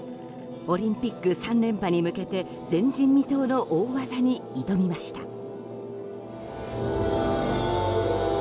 オリンピック３連覇に向けて前人未到の大技に挑みました。